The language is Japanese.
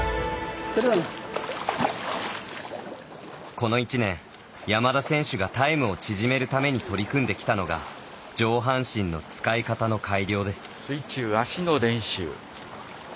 この１年山田選手がタイムを縮めるために取り組んできたのが上半身の使い方の改良です。